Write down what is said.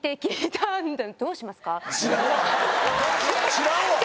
知らんわ！